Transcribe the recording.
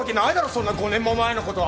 そんな５年も前のこと。